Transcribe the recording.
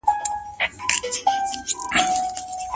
ابن خلدون د تاريخ د فلسفې بنسټګر دی.